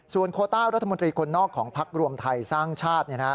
โคต้ารัฐมนตรีคนนอกของพักรวมไทยสร้างชาติ